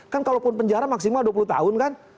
kan kalau pun penjara maksimal dua puluh tahun kan